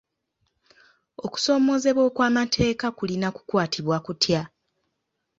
Okusoomoozebwa okw'amateeka kulina kukwatibwa kutya?